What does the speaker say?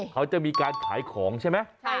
เขาจะมีการขายของใช่ไหม